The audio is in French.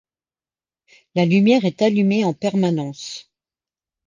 La lumière est allumée en permanence.